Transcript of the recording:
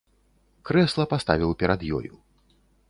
Крэсла паставіў перад ёю.